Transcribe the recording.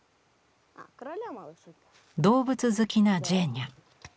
動物好きなジェーニャ。